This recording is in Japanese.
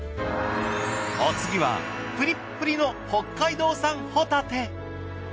お次はプリップリの北海道産ホタテ。